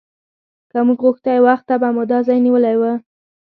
که موږ غوښتی وخته به مو دا ځای نیولی و.